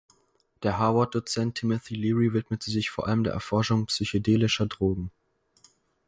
Der Harvard-Dozent Timothy Leary widmete sich vor allem der Erforschung psychedelischer Drogen.